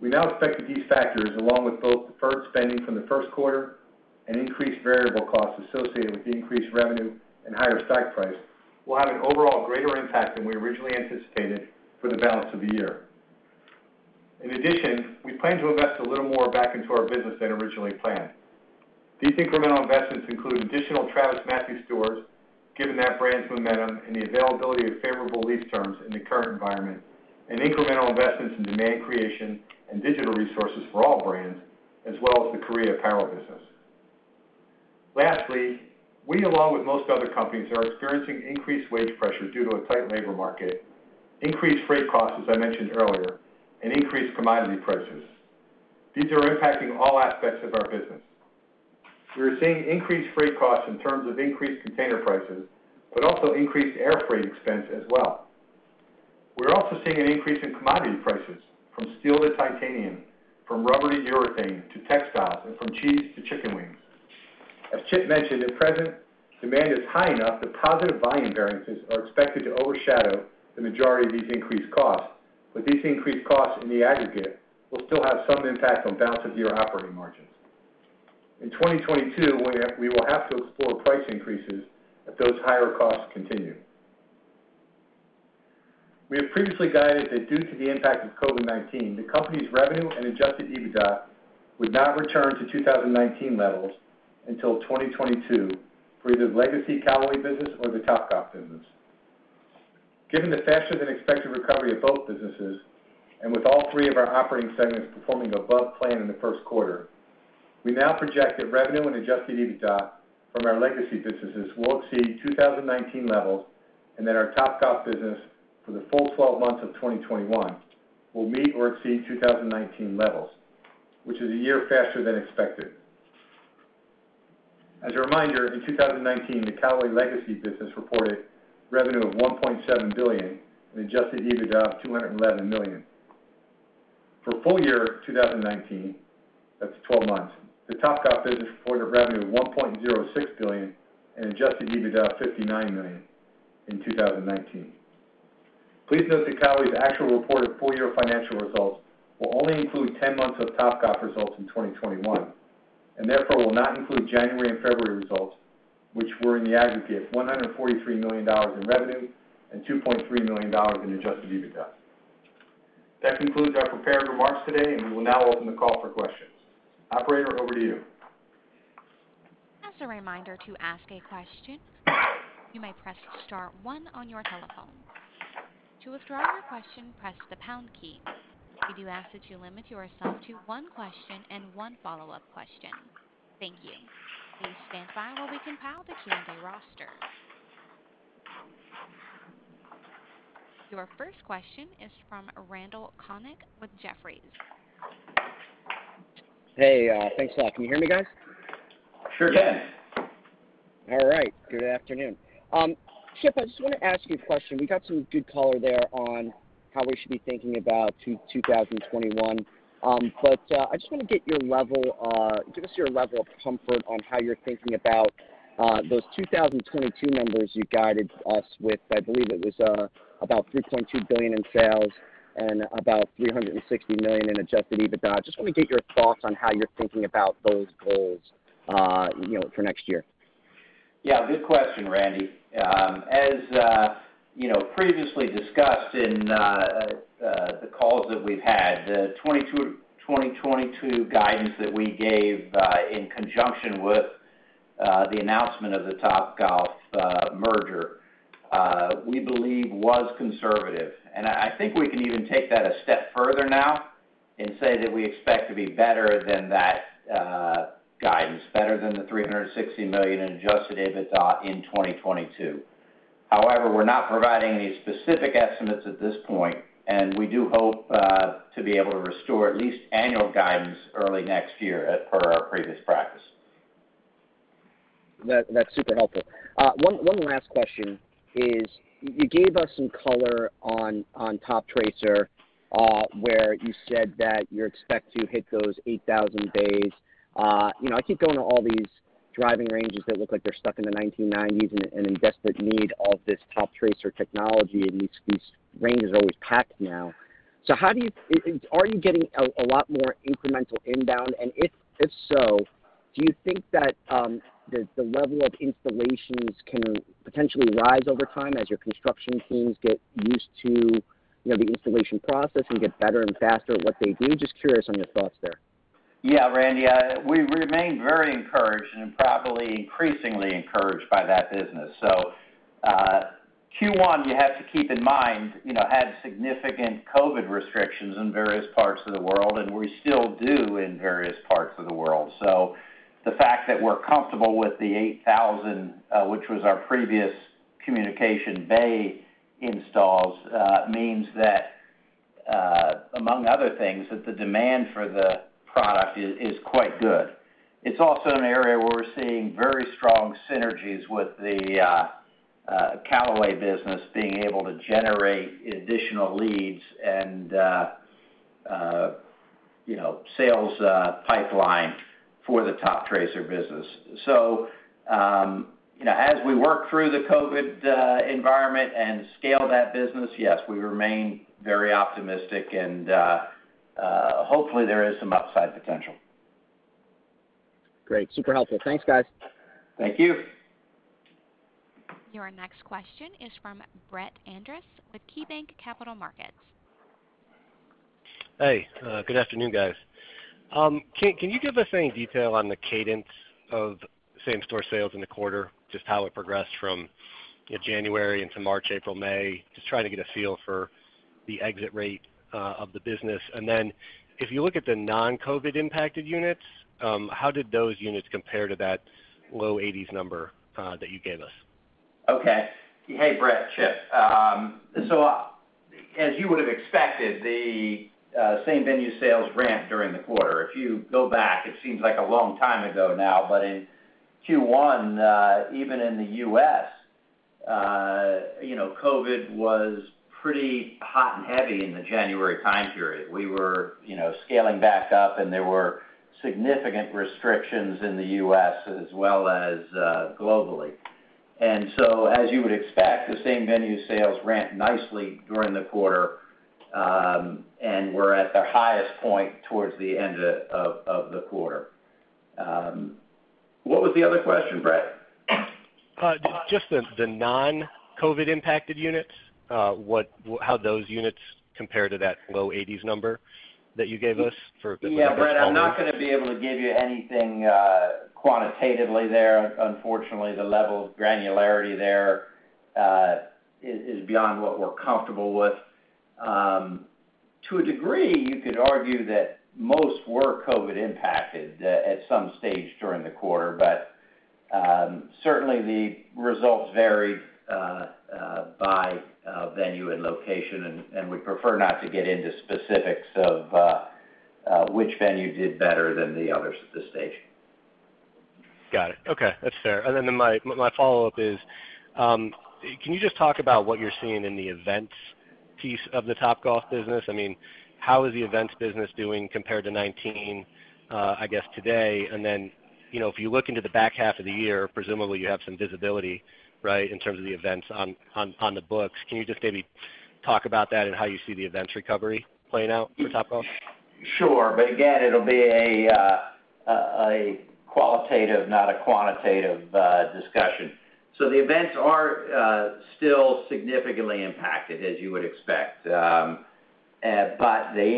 We now expect that these factors, along with both deferred spending from the first quarter and increased variable costs associated with the increased revenue and higher stock price, will have an overall greater impact than we originally anticipated for the balance of the year. In addition, we plan to invest a little more back into our business than originally planned. These incremental investments include additional TravisMathew stores, given that brand's momentum and the availability of favorable lease terms in the current environment, and incremental investments in demand creation and digital resources for all brands, as well as the Korea apparel business. Lastly, we, along with most other companies, are experiencing increased wage pressures due to a tight labor market, increased freight costs, as I mentioned earlier, and increased commodity prices. These are impacting all aspects of our business. We are seeing increased freight costs in terms of increased container prices, but also increased air freight expense as well. We're also seeing an increase in commodity prices from steel to titanium, from rubber to urethane to textiles, and from cheese to chicken wings. As Chip mentioned, at present, demand is high enough that positive volume variances are expected to overshadow the majority of these increased costs, but these increased costs in the aggregate will still have some impact on balance of year operating margins. In 2022, we will have to explore price increases if those higher costs continue. We have previously guided that due to the impact of COVID-19, the company's revenue and adjusted EBITDA would not return to 2019 levels until 2022 for either the legacy Callaway business or the Topgolf business. Given the faster than expected recovery of both businesses, with all three of our operating segments performing above plan in the first quarter, we now project that revenue and adjusted EBITDA from our legacy businesses will exceed 2019 levels and that our Topgolf business for the full 12 months of 2021 will meet or exceed 2019 levels, which is a year faster than expected. As a reminder, in 2019, the Callaway legacy business reported revenue of $1.7 billion and adjusted EBITDA of $211 million. For full year 2019, that's 12 months, the Topgolf business reported revenue of $1.06 billion and adjusted EBITDA of $59 million in 2019. Please note that Callaway's actual reported full year financial results will only include 10 months of Topgolf results in 2021, and therefore will not include January and February results, which were in the aggregate, $143 million in revenue and $2.3 million in adjusted EBITDA. That concludes our prepared remarks today. We will now open the call for questions. Operator, over to you. As a reminder that to ask a question press star one one on telephone, to return the question press the pound key, we advise you to limit yourself to only one question and one follow-up question, thank you. Please standby while we compile the queue in a roster. Your first question is from Randal Konik with Jefferies. Hey, thanks a lot. Can you hear me, guys? Sure can. All right. Good afternoon. Chip, I just want to ask you a question. We got some good color there on how we should be thinking about 2021. I just want to get your level of comfort on how you're thinking about those 2022 numbers you guided us with. I believe it was about $3.2 billion in sales and about $360 million in adjusted EBITDA. Just want to get your thoughts on how you're thinking about those goals for next year. Good question, Randal. As previously discussed in the calls that we've had, the 2022 guidance that we gave in conjunction with the announcement of the Topgolf merger, we believe was conservative. I think we can even take that a step further now and say that we expect to be better than that guidance, better than the $360 million in adjusted EBITDA in 2022. However, we're not providing any specific estimates at this point, and we do hope to be able to restore at least annual guidance early next year, per our previous practice. That's super helpful. One last question is, you gave us some color on Toptracer, where you said that you expect to hit those 8,000 bays. I keep going to all these driving ranges that look like they're stuck in the 1990s and in desperate need of this Toptracer technology, and these ranges are always packed now. Are you getting a lot more incremental inbound? If so, do you think that the level of installations can potentially rise over time as your construction teams get used to the installation process and get better and faster at what they do? Just curious on your thoughts there. Yeah, Randal. We remain very encouraged and probably increasingly encouraged by that business. Q1, you have to keep in mind, had significant COVID restrictions in various parts of the world, and we still do in various parts of the world. The fact that we're comfortable with the 8,000, which was our previous communication bay installs, means that among other things, that the demand for the product is quite good. It's also an area where we're seeing very strong synergies with the Callaway business being able to generate additional leads and sales pipeline for the Toptracer business. As we work through the COVID environment and scale that business, yes, we remain very optimistic and hopefully there is some upside potential. Great. Super helpful. Thanks, guys. Thank you. Your next question is from Brett Andress with KeyBanc Capital Markets. Hey, good afternoon, guys. Can you give us any detail on the cadence of same-store sales in the quarter, just how it progressed from January into March, April, May? Just trying to get a feel for the exit rate of the business. If you look at the non-COVID-19 impacted units, how did those units compare to that low eighties number that you gave us? Hey, Brett, Chip. As you would've expected, the same-venue sales ramped during the quarter. If you go back, it seems like a long time ago now, but in Q1, even in the U.S., COVID was pretty hot and heavy in the January time period. We were scaling back up and there were significant restrictions in the U.S. as well as globally. As you would expect, the same-venue sales ramped nicely during the quarter, and were at their highest point towards the end of the quarter. What was the other question, Brett? Just the non-COVID impacted units, how those units compare to that low eighties number that you gave us for business- Yeah, Brett, I'm not going to be able to give you anything quantitatively there. Unfortunately, the level of granularity there is beyond what we're comfortable with. To a degree, you could argue that most were COVID impacted at some stage during the quarter, but certainly the results varied by venue and location, and we prefer not to get into specifics of which venue did better than the others at this stage. Got it. Okay. That's fair. My follow-up is, can you just talk about what you're seeing in the events piece of the Topgolf business? How is the events business doing compared to 2019, I guess today? If you look into the back half of the year, presumably you have some visibility, right, in terms of the events on the books. Can you just maybe talk about that and how you see the events recovery playing out for Topgolf? Sure. Again, it'll be a qualitative, not a quantitative discussion. The events are still significantly impacted as you would expect. They,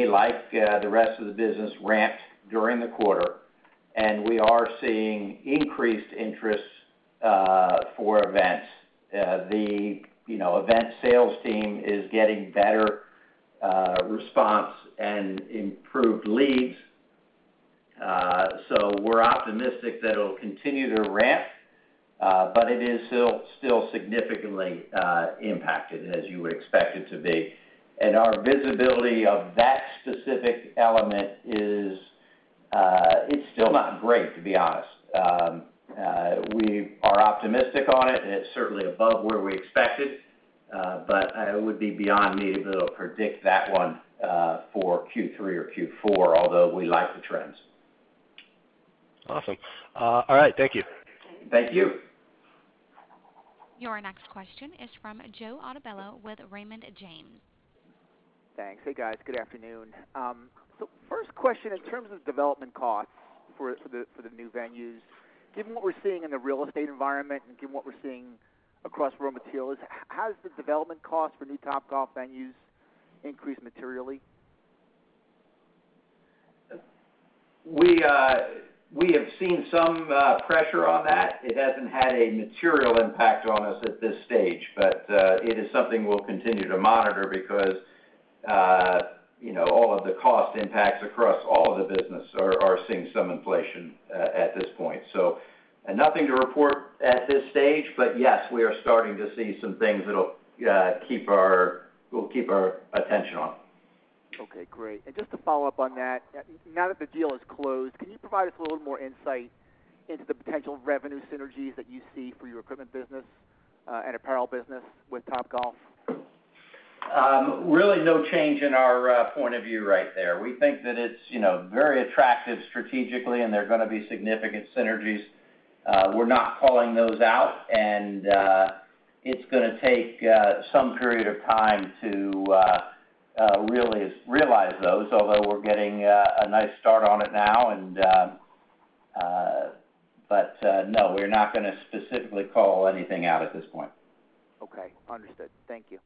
like the rest of the business, ramped during the quarter, and we are seeing increased interest for events. The event sales team is getting better response and improved leads. We're optimistic that it'll continue to ramp, but it is still significantly impacted as you would expect it to be. Our visibility of that specific element is still not great, to be honest. We are optimistic on it, and it's certainly above where we expected. It would be beyond me to be able to predict that one for Q3 or Q4, although we like the trends. Awesome. All right. Thank you. Thank you. Your next question is from Joe Altobello with Raymond James. Thanks. Hey, guys. Good afternoon. First question, in terms of development costs for the new venues, given what we're seeing in the real estate environment and given what we're seeing across raw materials, has the development cost for new Topgolf venues increased materially? We have seen some pressure on that. It hasn't had a material impact on us at this stage, but it is something we'll continue to monitor because all of the cost impacts across all of the business are seeing some inflation at this point. Nothing to report at this stage, but yes, we are starting to see some things that we'll keep our attention on. Okay, great. Just to follow up on that, now that the deal is closed, can you provide us a little more insight into the potential revenue synergies that you see for your equipment business and apparel business with Topgolf? Really no change in our point of view right there. We think that it's very attractive strategically, and there are going to be significant synergies. We're not calling those out, and it's going to take some period of time to really realize those, although we're getting a nice start on it now. No, we're not going to specifically call anything out at this point. Okay, understood. Thank you.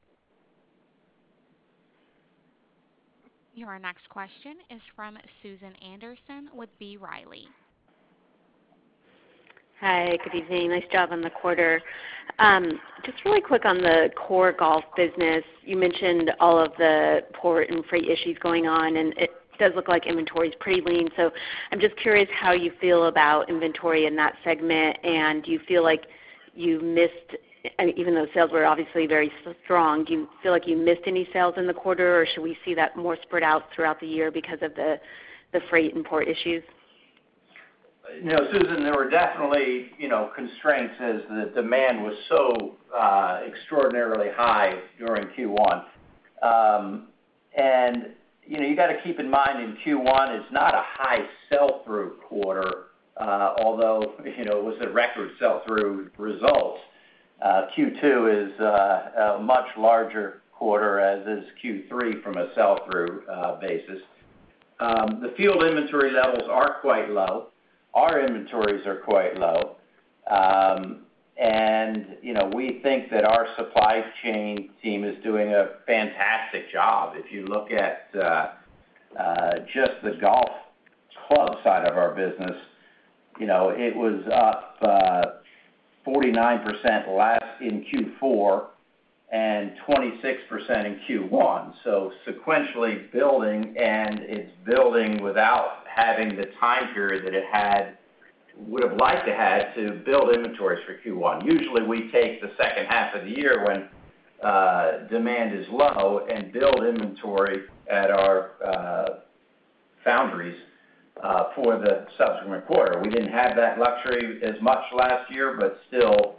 Your next question is from Susan Anderson with B. Riley. Hi, good evening. Nice job on the quarter. Just really quick on the core golf business, you mentioned all of the port and freight issues going on, and it does look like inventory's pretty lean. I'm just curious how you feel about inventory in that segment, and do you feel like you missed, even though sales were obviously very strong, do you feel like you missed any sales in the quarter, or should we see that more spread out throughout the year because of the freight and port issues? No, Susan, there were definitely constraints as the demand was so extraordinarily high during Q1. You've got to keep in mind in Q1, it's not a high sell-through quarter, although, it was a record sell-through result. Q2 is a much larger quarter, as is Q3 from a sell-through basis. The field inventory levels are quite low. Our inventories are quite low. We think that our supply chain team is doing a fantastic job. If you look at just the golf club side of our business, it was up 49% last in Q4 and 26% in Q1. Sequentially building, and it's building without having the time period that it would've liked to have to build inventories for Q1. Usually, we take the second half of the year when demand is low and build inventory at our foundries for the subsequent quarter. We didn't have that luxury as much last year, but still,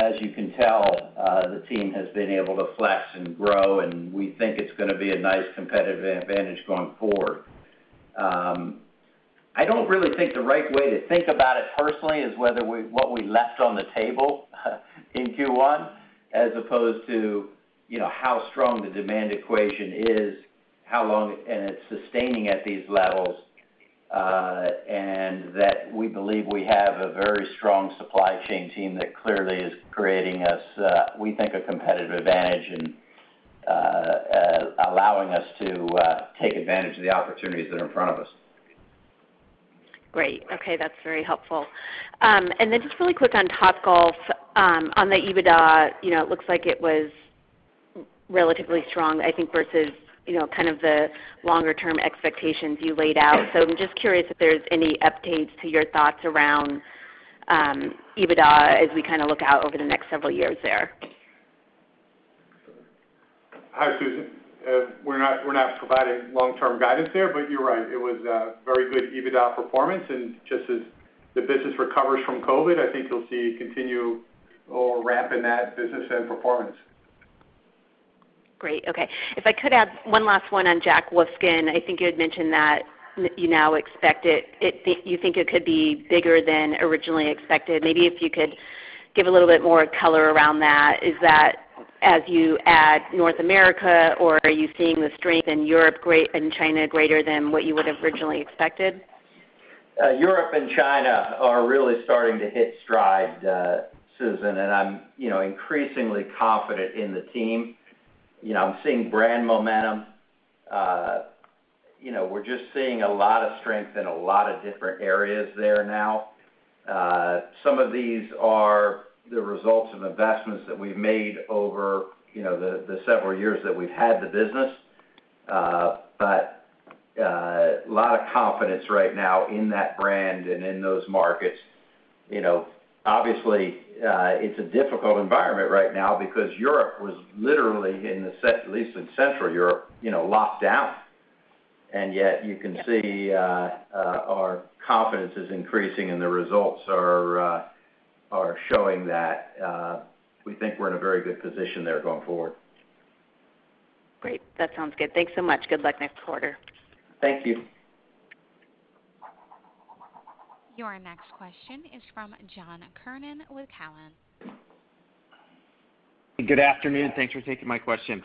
as you can tell, the team has been able to flex and grow, and we think it's going to be a nice competitive advantage going forward. I don't really think the right way to think about it personally is what we left on the table in Q1 as opposed to how strong the demand equation is, how long, and it's sustaining at these levels, and that we believe we have a very strong supply chain team that clearly is creating us, we think, a competitive advantage and allowing us to take advantage of the opportunities that are in front of us. Great. Okay. That's very helpful. Then just really quick on Topgolf, on the EBITDA, it looks like it was relatively strong, I think, versus kind of the longer-term expectations you laid out. I'm just curious if there's any updates to your thoughts around EBITDA as we kind of look out over the next several years there. Hi, Susan. We're not providing long-term guidance there, but you're right. It was a very good EBITDA performance, and just as the business recovers from COVID, I think you'll see continued ramp in that business and performance. Great. Okay. If I could add one last one on Jack Wolfskin, I think you had mentioned that you now expect it, you think it could be bigger than originally expected. Maybe if you could give a little bit more color around that? Is that as you add North America, or are you seeing the strength in Europe and China greater than what you would have originally expected? Europe and China are really starting to hit stride, Susan, and I'm increasingly confident in the team. I'm seeing brand momentum. We're just seeing a lot of strength in a lot of different areas there now. Some of these are the results of investments that we've made over the several years that we've had the business. A lot of confidence right now in that brand and in those markets. Obviously, it's a difficult environment right now because Europe was literally, at least in Central Europe, locked down. Yet you can see our confidence is increasing, and the results are showing that. We think we're in a very good position there going forward. Great. That sounds good. Thanks so much. Good luck next quarter. Thank you. Your next question is from John Kernan with Cowen. Good afternoon. Thanks for taking my question.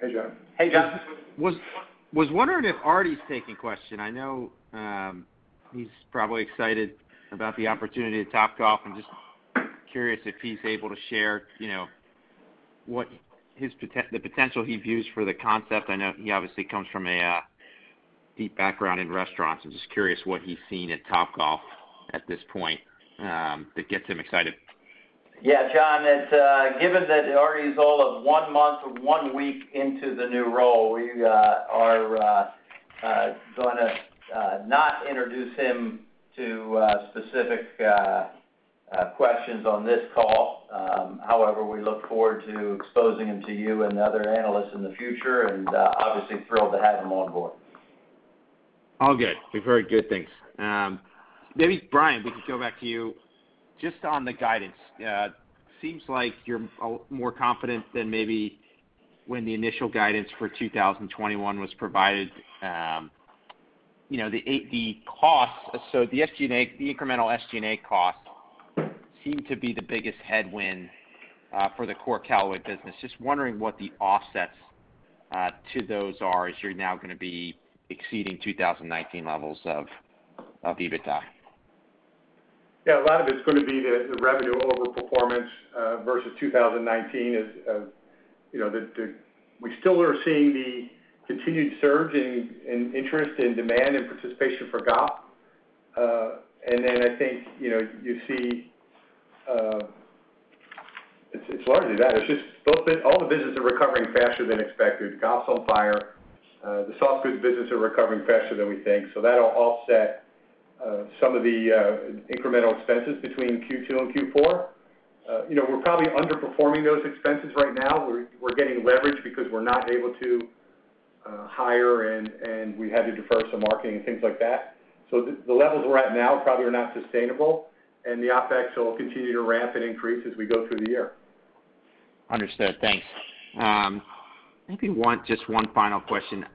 Hey, John. Hey, John. Was wondering if Artie's taking question? I know, he's probably excited about the opportunity at Topgolf. I'm just curious if he's able to share the potential he views for the concept. I know he obviously comes from a deep background in restaurants. I'm just curious what he's seen at Topgolf at this point, that gets him excited. Yeah, John, given that Artie's all of one month and one week into the new role, we are going to not introduce him to specific questions on this call. However, we look forward to exposing him to you and other analysts in the future, and obviously thrilled to have him on board. All good. We've heard. Good, thanks. Brian, we could go back to you. On the guidance, seems like you're more confident than maybe when the initial guidance for 2021 was provided. The incremental SG&A costs seem to be the biggest headwind for the core Callaway business. Wondering what the offsets to those are, as you're now going to be exceeding 2019 levels of EBITDA. Yeah, a lot of it's going to be the revenue over performance versus 2019. We still are seeing the continued surge in interest, in demand and participation for golf. I think, you see it's largely that. It's just all the businesses are recovering faster than expected. Golf's on fire. The soft goods businesses are recovering faster than we think. That'll offset some of the incremental expenses between Q2 and Q4. We're probably underperforming those expenses right now. We're getting leverage because we're not able to hire, and we had to defer some marketing and things like that. The levels we're at now probably are not sustainable, and the OpEx will continue to ramp and increase as we go through the year. Understood. Thanks. Maybe just one final question.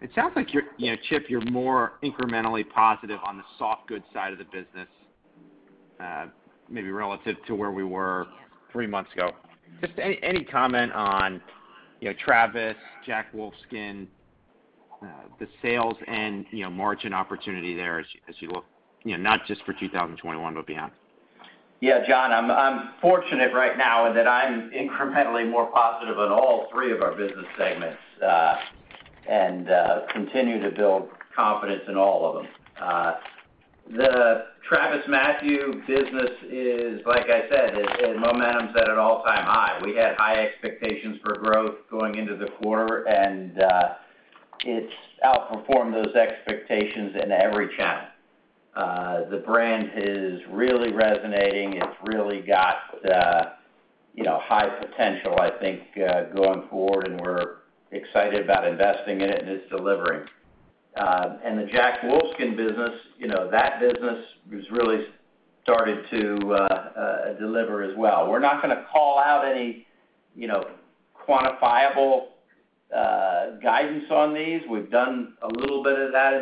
It sounds like, Chip, you're more incrementally positive on the soft goods side of the business, maybe relative to where we were three months ago. Just any comment on Travis, Jack Wolfskin, the sales and margin opportunity there as you look, not just for 2021, but beyond. John, I'm fortunate right now that I'm incrementally more positive on all three of our business segments, and continue to build confidence in all of them. The TravisMathew business is, like I said, momentum's at an all-time high. We had high expectations for growth going into the quarter, and it's outperformed those expectations in every channel. The brand is really resonating. It's really got high potential, I think, going forward, and we're excited about investing in it, and it's delivering. The Jack Wolfskin business, that business has really started to deliver as well. We're not going to call out any quantifiable guidance on these. We've done a little bit of that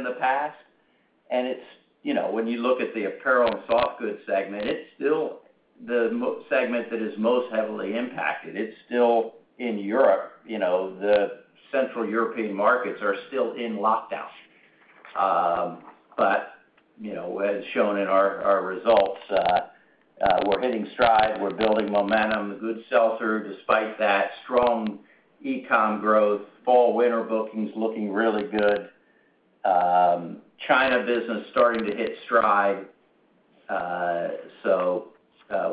in the past. When you look at the apparel and soft goods segment, it's still the segment that is most heavily impacted. It's still in Europe. The Central European markets are still in lockdown. As shown in our results, we're hitting stride, we're building momentum. The goods sell through despite that strong e-com growth. Fall/winter bookings looking really good. China business starting to hit stride.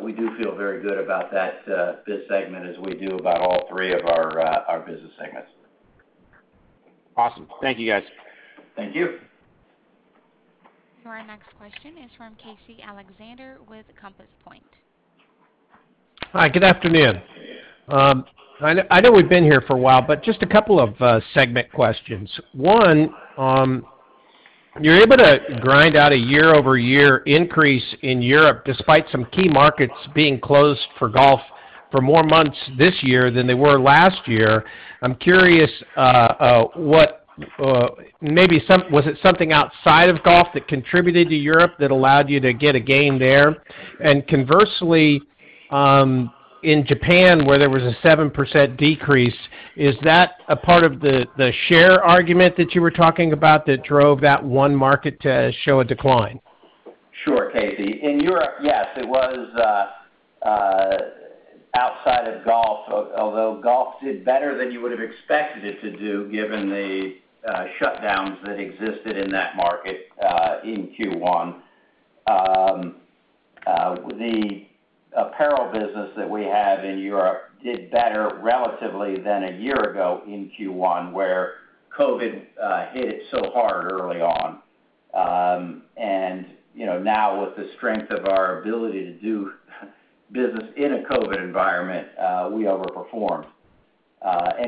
We do feel very good about this segment as we do about all three of our business segments. Awesome. Thank you, guys. Thank you. Your next question is from Casey Alexander with Compass Point. Hi, good afternoon. I know we've been here for a while, but just a couple of segment questions. One, you're able to grind out a year-over-year increase in Europe despite some key markets being closed for golf for more months this year than they were last year. I'm curious, was it something outside of golf that contributed to Europe that allowed you to get a game there? Conversely, in Japan, where there was a 7% decrease, is that a part of the share argument that you were talking about that drove that one market to show a decline? Sure, Casey. In Europe, yes, it was outside of golf, although golf did better than you would've expected it to do given the shutdowns that existed in that market, in Q1. The apparel business that we have in Europe did better relatively than a year ago in Q1, where COVID hit it so hard early on. Now with the strength of our ability to do business in a COVID environment, we overperformed.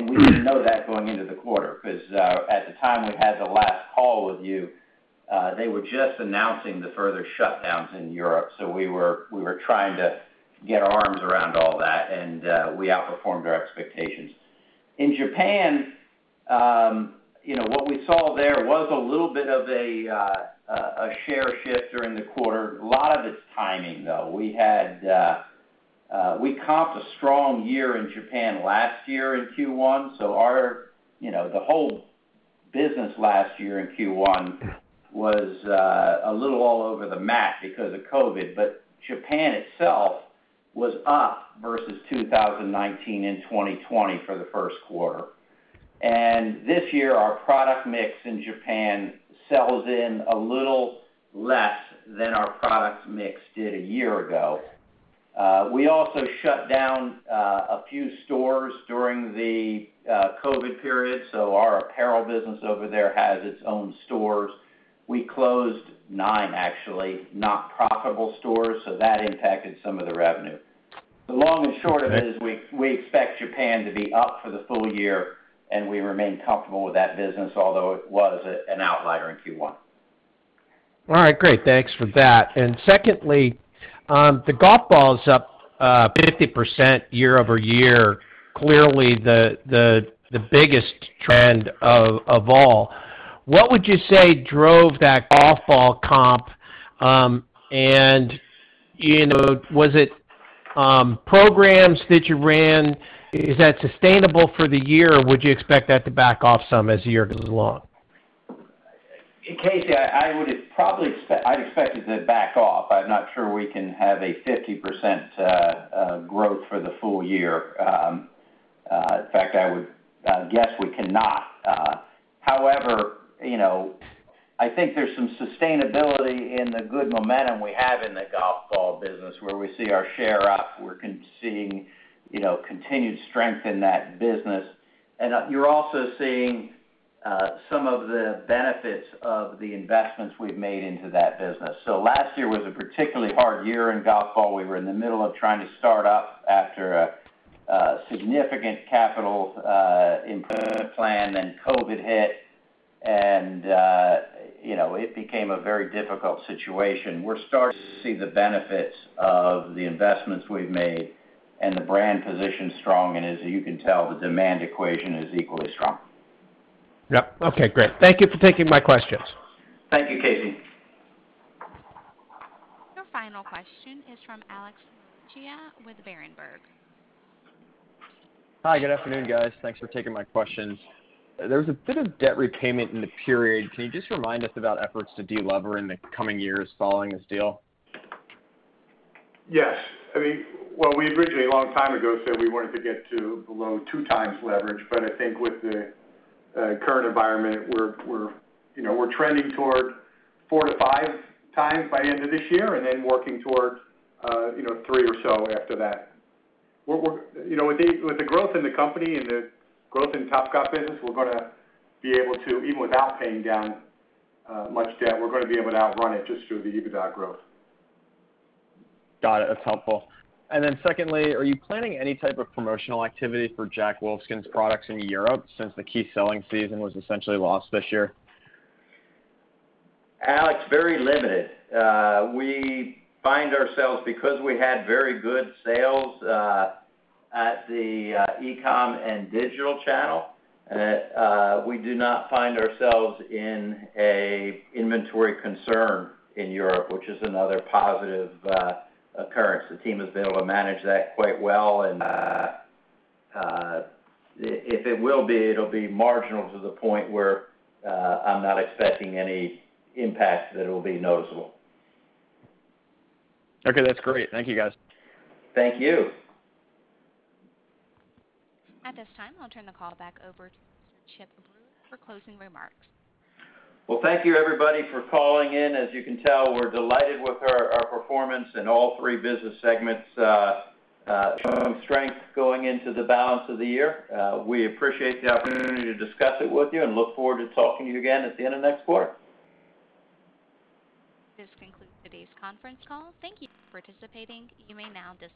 We didn't know that going into the quarter, because at the time we had the last call with you, they were just announcing the further shutdowns in Europe. We were trying to get our arms around all that, and we outperformed our expectations. In Japan, what we saw there was a little bit of a share shift during the quarter. A lot of it's timing, though. We comped a strong year in Japan last year in Q1, so the whole business last year in Q1 was a little all over the map because of COVID. Japan itself was up versus 2019 and 2020 for the first quarter. This year, our product mix in Japan sells in a little less than our product mix did a year ago. We also shut down a few stores during the COVID period. Our apparel business over there has its own stores. We closed nine actually, not profitable stores, that impacted some of the revenue. The long and short of it is we expect Japan to be up for the full year, and we remain comfortable with that business, although it was an outlier in Q1. All right. Great. Thanks for that. Secondly, the golf ball's up 50% year-over-year, clearly the biggest trend of all. What would you say drove that golf ball comp? Was it programs that you ran? Is that sustainable for the year, or would you expect that to back off some as the year goes along? Casey, I expected it to back off. I'm not sure we can have a 50% growth for the full year. In fact, I would guess we cannot. I think there's some sustainability in the good momentum we have in the golf ball business where we see our share up. We're seeing continued strength in that business. You're also seeing some of the benefits of the investments we've made into that business. Last year was a particularly hard year in golf ball. We were in the middle of trying to start up after a significant capital improvement plan, then COVID-19 hit, and it became a very difficult situation. We're starting to see the benefits of the investments we've made, and the brand position's strong, and as you can tell, the demand equation is equally strong. Yep. Okay, great. Thank you for taking my questions. Thank you, Casey. Your final question is from Alex Maroccia with Berenberg. Hi, good afternoon, guys. Thanks for taking my questions. There was a bit of debt repayment in the period. Can you just remind us about efforts to de-lever in the coming years following this deal? Yes. We originally, a long time ago, said we wanted to get to below two times leverage. I think with the current environment, we're trending toward four to five times by end of this year, and then working towards three or so after that. With the growth in the company and the growth in Topgolf business, even without paying down much debt, we're going to be able to outrun it just through the EBITDA growth. Got it. That is helpful. Then secondly, are you planning any type of promotional activity for Jack Wolfskin's products in Europe since the key selling season was essentially lost this year? Alex, very limited. We find ourselves, because we had very good sales at the e-com and digital channel, we do not find ourselves in an inventory concern in Europe, which is another positive occurrence. The team has been able to manage that quite well. If it will be, it'll be marginal to the point where I'm not expecting any impact that it'll be noticeable. Okay. That's great. Thank you, guys. Thank you. At this time, I'll turn the call back over to Mr. Chip Brewer for closing remarks. Well, thank you everybody for calling in. As you can tell, we're delighted with our performance in all three business segments showing strength going into the balance of the year. We appreciate the opportunity to discuss it with you and look forward to talking to you again at the end of next quarter. This concludes today's conference call. Thank you for participating. You may now disconnect.